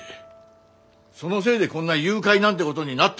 そのせいでこんな誘拐なんてことになったんですよ。